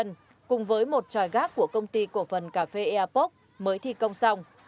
công nhân cùng với một tròi gác của công ty cổ phần cà phê airpoc mới thi công xong